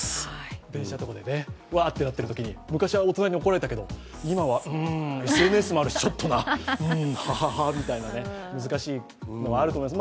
電車とかでワッとなっているときに昔は大人に怒られたけれども、今はＳＮＳもあるし、ちょっとな、ハハハみたいな、難しいのはあると思います。